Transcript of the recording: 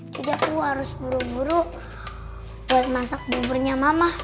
jadi aku harus buru buru buat masak buburnya mama